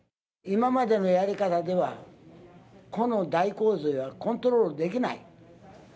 今までのやり方では、この大洪水はコントロールできない。